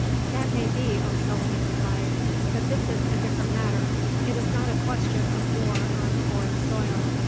"That may be," O'Sullivan replied; "but this is a different matter. It is not a question of war on foreign soil.